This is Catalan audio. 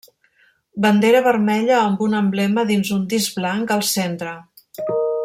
Bandera vermella amb un emblema dins un disc blanc al centre.